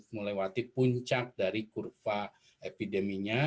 melewati puncak dari kurva epideminya